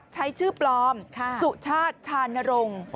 ใช้ชื่อปลอมสุชาติชานรงค์